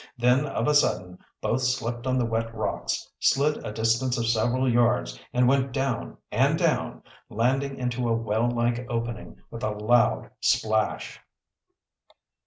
Then of a sudden both slipped on the wet rocks, slid a distance of several yards, and went down and down, landing into a well like opening with a loud splash!